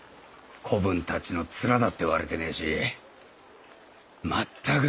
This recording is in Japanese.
子分たちの面だって割れてねえし全くの手詰まりだ。